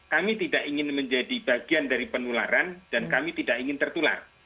kami tidak ingin menjadi bagian dari penularan dan kami tidak ingin tertular